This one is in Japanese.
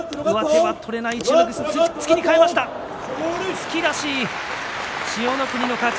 突き出し、千代の国の勝ち。